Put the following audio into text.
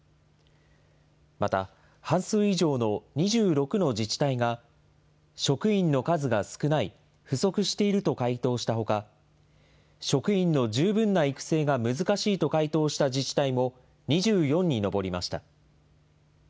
また、半数以上の２６の自治体が、職員の数が少ない・不足していると回答したほか、職員の十分な育成が難しいと回答した自治体も、２４に上りました。